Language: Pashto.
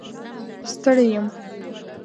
ستړی یم